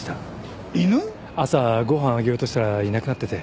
朝ご飯あげようとしたらいなくなってて。